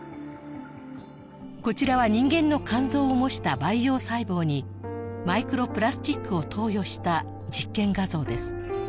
こちらは人間の肝臓を模した培養細胞にマイクロプラスチックを投与した実験画像です